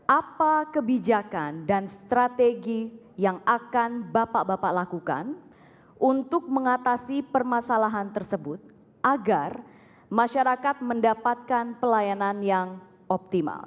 apa kebijakan dan strategi yang akan bapak bapak lakukan untuk mengatasi permasalahan tersebut agar masyarakat mendapatkan pelayanan yang optimal